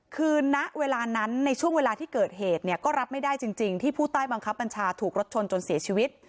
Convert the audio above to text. คือณเวลานั้นในช่วงเวลาที่เกิดเหตุเนี่ยก็รับไม่ได้จริงที่ผู้ใต้บังคับบัญชาถูกรถชนจนเสียชีวิต